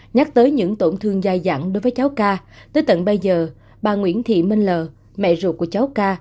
nhắc tới những tổn thương dài dẳng đối với cháu ca tới tận bây giờ bà nguyễn thị minh l mẹ ruột của cháu ca